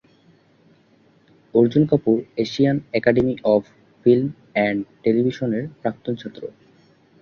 Arjun Kapoor Asian Academy of Film and টেলিভিশনের প্রাক্তন ছাত্র।